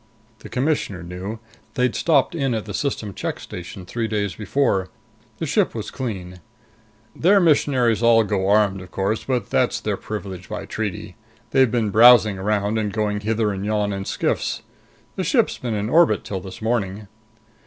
The Commissioner knew. They'd stopped in at the system check station three days before. The ship was clean. "Their missionaries all go armed, of course; but that's their privilege by treaty. They've been browsing around and going hither and yon in skiffs. The ship's been in orbit till this morning."